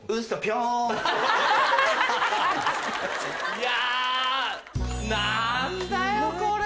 いや。何だよこれ。